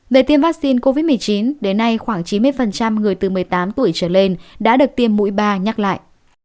về tiêm vaccine covid một mươi chín đến nay khoảng chín mươi người từ một mươi tám tuổi trở lên đã được tiêm mũi ba nhắc lại